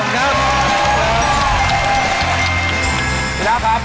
ขอบคุณครับ